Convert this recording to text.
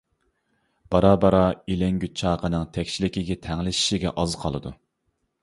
بارا-بارا ئىلەڭگۈچ چاقىنىڭ تەكشىلىكىگە تەڭلىشىشىگە ئاز قالىدۇ.